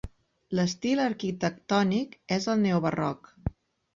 L'estil arquitectònic és el neobarroc.